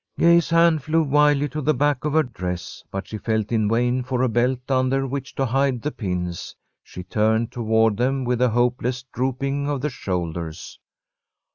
Gay's hand flew wildly to the back of her dress, but she felt in vain for a belt under which to hide the pins. She turned toward them with a hopeless drooping of the shoulders.